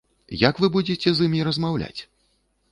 Як вы будзеце з імі размаўляць?